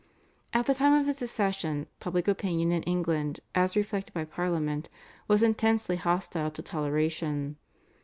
At the time of his accession public opinion in England as reflected by Parliament was intensely hostile to toleration.